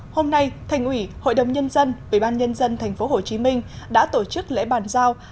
hôm nay thành ủy hội đồng nhân dân vĩ ban nhân dân tp hcm đã tổ chức lễ bàn giao